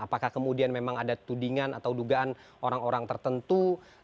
apakah kemudian memang ada tudingan atau dugaan orang orang tertentu